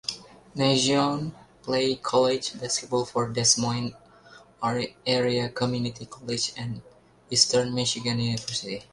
Nazione played college basketball for Des Moines Area Community College and Eastern Michigan University.